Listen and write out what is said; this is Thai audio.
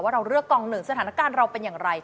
เราเลือกกองหนึ่งสถานการณ์เราเป็นอย่างไร